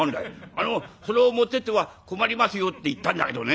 「『あのそれを持ってっては困りますよ』って言ったんだけどね